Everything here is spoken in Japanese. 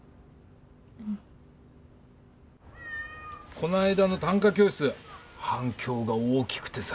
この間の短歌教室反響が大きくてさ。